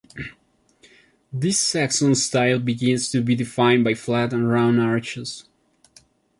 This Saxon style begins to be defined by flat and round arches.